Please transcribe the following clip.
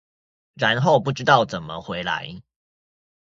然後不知道怎麼回來